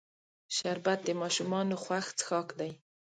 شربت د ماشومانو خوښ څښاک دی